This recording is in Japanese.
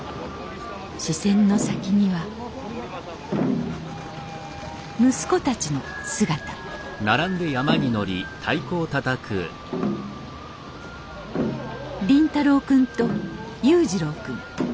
視線の先には息子たちの姿凛太郎くんと雄二朗くん。